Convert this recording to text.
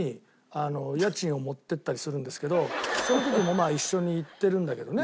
その時もまあ一緒に行ってるんだけどね。